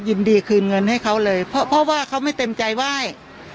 ยินดีคืนเงินให้เขาเลยเพราะว่าเขาไม่เต็มใจไหว้